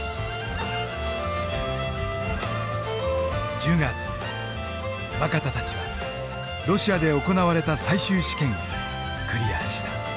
１０月若田たちはロシアで行われた最終試験をクリアーした。